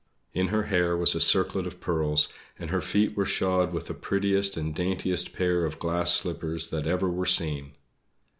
In her hair was a circlet of pearls, and her feet were shod with the prettiest and daintiest pair of glass slippers that ever were seen.